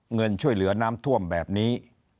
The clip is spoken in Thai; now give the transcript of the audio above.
เงินช่วยเหลือน้ำท่วมแบบนี้